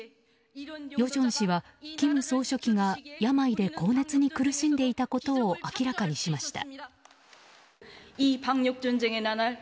与正氏は金総書記が病で高熱に苦しんでいたことを明らかにしました。